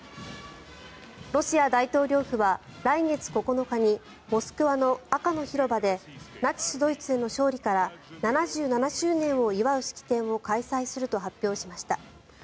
ロシア大統領府は来月９日にモスクワの赤の広場でナチス・ドイツへの勝利から７７周年を祝う式典を開催すると発表しました。